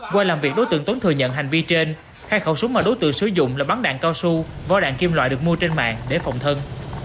qua làm việc đối tượng tuấn thừa nhận hành vi trên hai khẩu súng mà đối tượng sử dụng là bắn đạn cao su vỏ đạn kim loại được mua trên mạng để phòng thân